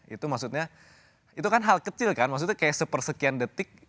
itu maksudnya itu kan hal kecil kan maksudnya kayak sepersekian detik